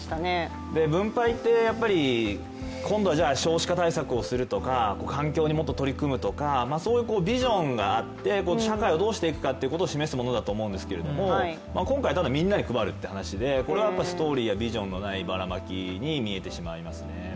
分配って、今度は少子化対策をするとか、環境にもっと取り組むとか、そういうビジョンがあって社会をどうしていくかを示していくものだと思うんですけど今回ただみんなに配るという話でこれはストーリーやビジョンのないばらまきに見えてしまいますね。